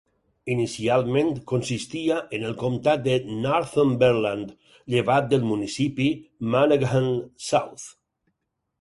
Inicialment, consistia en el comtat de Northumberland, llevat del municipi Monaghan South.